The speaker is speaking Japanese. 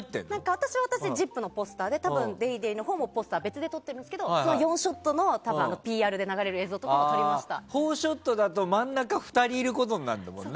私は私で「ＺＩＰ！」のポスターで「ＤａｙＤａｙ．」のほうは別にで撮ってるんですけど４ショットの４ショットだと真ん中に２人がいることになるんだもんね。